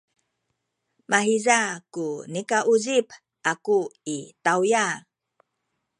mahiza ku nikauzip aku i tawya.